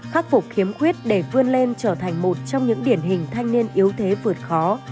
khắc phục khiếm khuyết để vươn lên trở thành một trong những điển hình thanh niên yếu thế vượt khó